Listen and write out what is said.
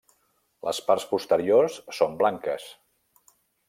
Les parts posteriors són blanques.